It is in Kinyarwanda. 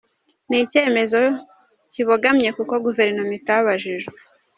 Ni icyemezo kibogamye kuko guverinoma itabajijwe.